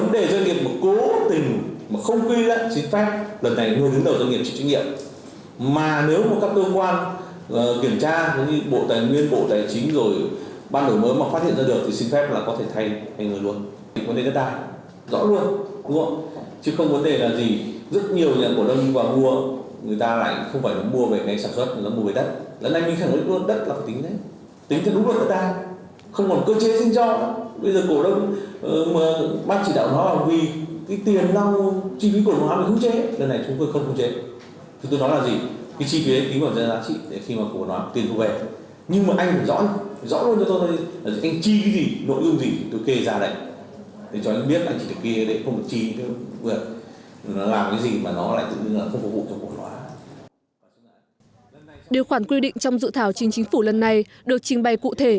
điều khoản quy định trong dự thảo chính chính phủ lần này được trình bày cụ thể